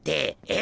え？